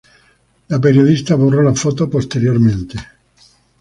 La periodista borró la foto posteriormente.